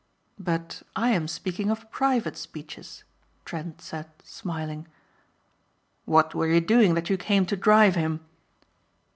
"But I am speaking of private speeches," Trent said smiling. "What were you doing that you came to drive him?"